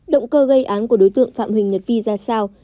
động cơ gây án của đối tượng phạm huỳnh nhật vi ra sao